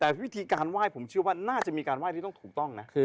แต่วิธีการไหว้ผมเชื่อว่าน่าจะมีการไห้ที่ต้องถูกต้องนะ